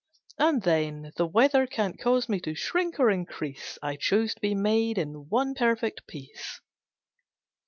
And, then, The weather can't cause me to shrink or increase: I chose to be made in one perfect piece!